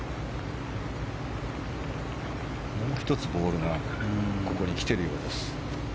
もう１つボールがここに来ているようです。